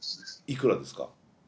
いくらですか？